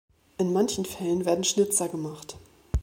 In manchen Fällen werden Schnitzer gemacht.